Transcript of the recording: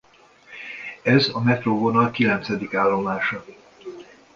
Ez a metróvonal kilencedik állomása.